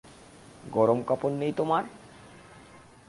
গরম কাপড় নেই তোমার?